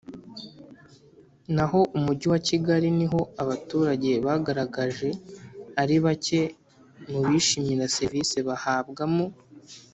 Naho umujyi wa kigali niho abaturage bagaragaje ari bake mu bishimira serivisi bahabwa mu